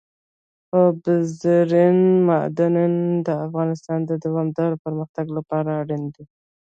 اوبزین معدنونه د افغانستان د دوامداره پرمختګ لپاره اړین دي.